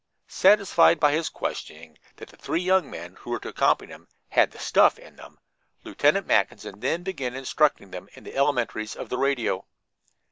Satisfied by his questioning that the three young men who were to accompany him "had the stuff in them," Lieutenant Mackinson then began instructing them in the elementaries of the radio.